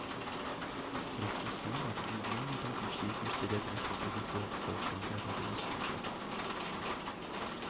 Il contient la tombe non identifiée du célèbre compositeur Wolfgang Amadeus Mozart.